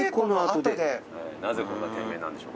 なぜこんな店名なんでしょうかね。